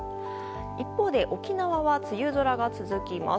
一方で沖縄は梅雨空が続きます。